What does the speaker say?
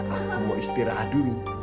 aku mau istirahat dulu